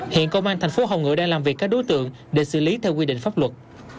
hiện công an thành phố hồng ngự đang làm việc các đối tượng để xử lý theo quy định pháp luật